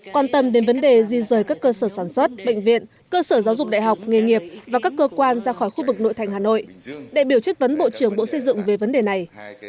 quan tâm đến vấn đề di rời các cơ sở sản xuất bệnh viện cơ sở giáo dục đại học nghề nghiệp và các cơ quan ra khỏi khu vực nội thành hà nội đại biểu chất vấn bộ trưởng bộ xây dựng về vấn đề này